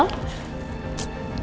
selamat pagi al